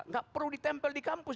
nggak perlu ditempel di kampus